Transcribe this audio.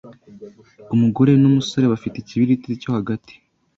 umugore numusore bafite Ikibiriti cyo hagati